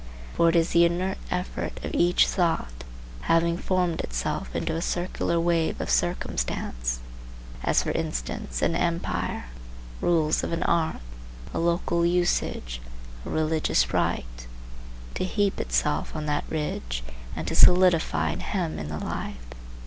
For it is the inert effort of each thought, having formed itself into a circular wave of circumstance,—as for instance an empire, rules of an art, a local usage, a religious rite,—to heap itself on that ridge and to solidify and hem in the life.